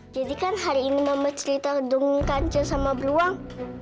jadi kan hari ini mama cerita tentang kancil sama beruang